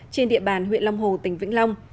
trên địa bàn huyện long hồ tỉnh vĩnh long